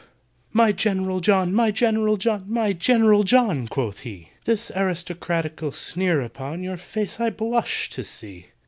"My GENERAL JOHN! my GENERAL JOHN! My GENERAL JOHN!" quoth he, "This aristocratical sneer upon Your face I blush to see!